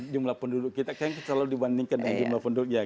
jumlah penduduk kita kan selalu dibandingkan dengan jumlah penduduknya